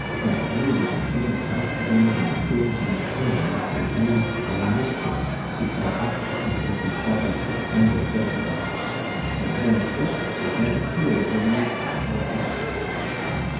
Why, they would bite half the women and girls in the kingdom with the rage for mischief, before half the husbands and fathers could turn their heads about. And, once bit, there's no cure in nature or art.'